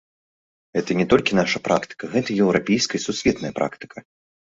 Гэта не толькі наша практыка, гэта еўрапейская і сусветная практыка.